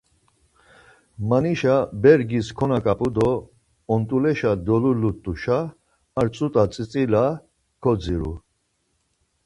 Manişa bergis konaǩap̌u do ont̆uleşa dolulut̆uşa ar tzut̆a tzitzila kodziru.